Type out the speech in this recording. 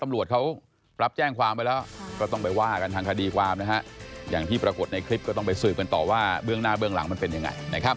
หรือว่าฆ่าดีแรงบ้าง